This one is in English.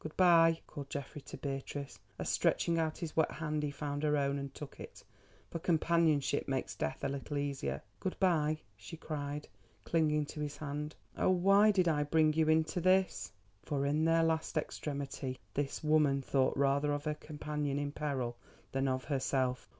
"Good bye," called Geoffrey to Beatrice, as stretching out his wet hand he found her own and took it, for companionship makes death a little easier. "Good bye," she cried, clinging to his hand. "Oh, why did I bring you into this?" For in their last extremity this woman thought rather of her companion in peril than of herself.